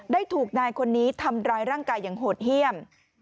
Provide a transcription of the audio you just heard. ถูกนายคนนี้ทำร้ายร่างกายอย่างโหดเยี่ยม